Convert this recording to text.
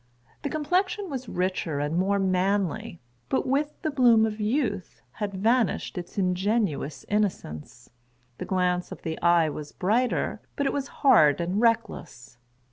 The complexion was richer and more manly, but with the bloom of youth had vanished its ingenuous innocence; the glance of the eye was brighter, but it was hard and reckless.